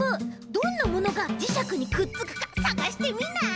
どんなものがじしゃくにくっつくかさがしてみない？